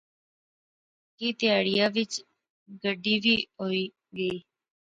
کی تہاڑیاں وچ گڈی وی ہوئی گئی